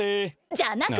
じゃなくて。